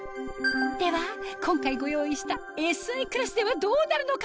では今回ご用意したＳＩクラスではどうなるのか？